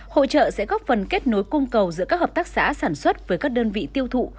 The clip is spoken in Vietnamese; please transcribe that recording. hội trợ sẽ góp phần kết nối cung cầu giữa các hợp tác xã sản xuất với các đơn vị tiêu thụ